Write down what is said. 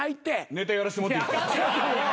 ネタやらせてもらっていいですか？